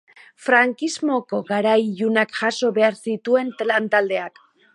Frankismoko garai ilunak jaso behar zituen lantaldeak.